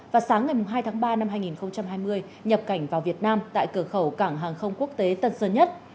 và sáng ngày hai tháng ba năm hai nghìn hai mươi nhập cảnh vào việt nam tại cửa khẩu cảng hàng không quốc tế tân sơn nhất